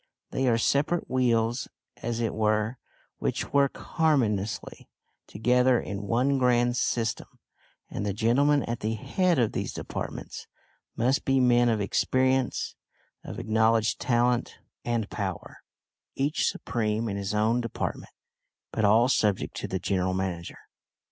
They are separate wheels, as it were, which work harmoniously together in one grand system, and the gentlemen at the head of these departments must be men of experience; of acknowledged talent and power, each supreme in his own department, but all subject to the general manager.